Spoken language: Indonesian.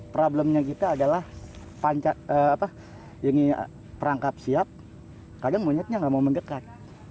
problemnya kita adalah perangkap siap kadang monyetnya nggak mau mendekat